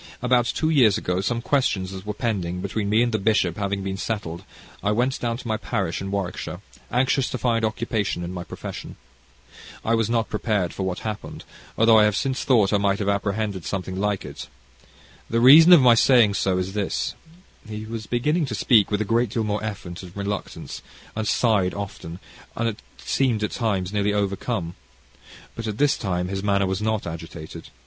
About two years ago, some questions that were pending between me and the bishop having been settled, I went down to my parish in Warwickshire, anxious to find occupation in my profession. I was not prepared for what happened, although I have since thought I might have apprehended something like it. The reason of my saying so is this " He was beginning to speak with a great deal more effort and reluctance, and sighed often, and seemed at times nearly overcome. But at this time his manner was not agitated.